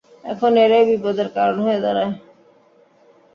এখন এরাই বিপদের কারণ হয়ে দাঁড়ায়।